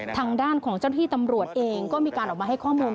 ทางด้านของเจ้าหน้าที่ตำรวจเองก็มีการออกมาให้ข้อมูล